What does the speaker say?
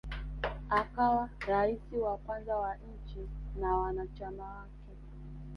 Akawa rais wa kwanza wa nchi na wanachama wake